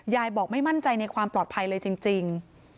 ยายบอกไม่มั่นใจในความปลอดภัยเลยจริง